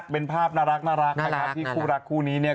เป็นภาพนรักที่คู่รักคู่นี้เนี่ย